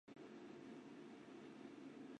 维列欧布安。